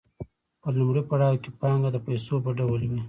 په لومړي پړاو کې پانګه د پیسو په ډول وي